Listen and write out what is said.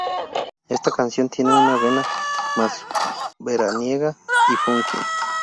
Esta canción tiene una vena más veraniega y funky.